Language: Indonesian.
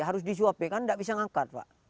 harus disuapin kan enggak bisa ngangkat pak